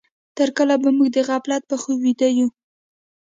تر کله به موږ د غفلت په خوب ويده يو؟